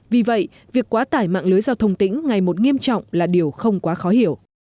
vì vậy việc quá tải mạng lưới giao thông tỉnh ngày một nghiêm trọng là điều không quá khó hiểu